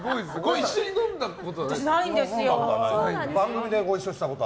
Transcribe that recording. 一緒に飲んだことは？